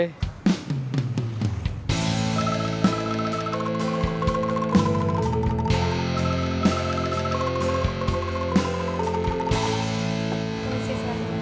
terima kasih pak